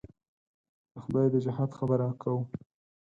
د خدای د جهاد خبره کوو.